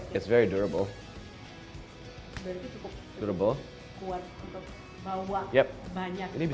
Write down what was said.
dan cukup sulit ya di sobek